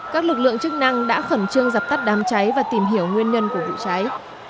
các lực lượng chức năng đã khẩn trương dập tắt đám cháy và tìm hiểu nguyên nhân của vụ cháy